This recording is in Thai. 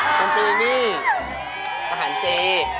ของแขวนอาหารเจ